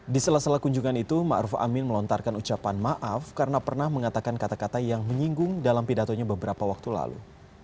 di sela sela kunjungan itu ⁇ maruf ⁇ amin melontarkan ucapan maaf karena pernah mengatakan kata kata yang menyinggung dalam pidatonya beberapa waktu lalu